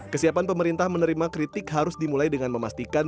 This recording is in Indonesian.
kesiapan pemerintah menerima kritik harus dimulai dengan memastikan